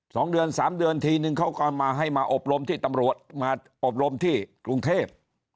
สองเดือนสามเดือนทีนึงเขาก็มาให้มาอบรมที่ตำรวจมาอบรมที่กรุงเทพ